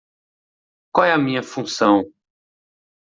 Qual é a minha função?